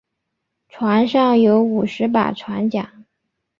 船上有五十把船浆。